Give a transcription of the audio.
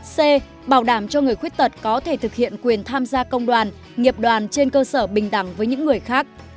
c bảo đảm cho người khuyết tật có thể thực hiện quyền tham gia công đoàn nghiệp đoàn trên cơ sở bình đẳng với những người khác